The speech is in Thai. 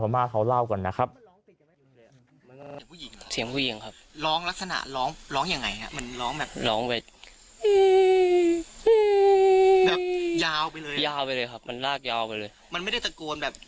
แบบยาวไปเลยยาวไปเลยครับมันรากยาวไปเลยมันไม่ได้ตะโกนแบบ